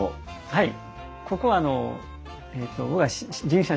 はい。